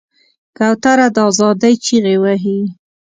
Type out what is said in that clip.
کوتره د آزادۍ چیغې وهي.